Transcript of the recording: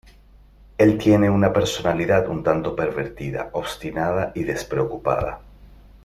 Él tiene una personalidad un tanto pervertida, obstinada y despreocupada.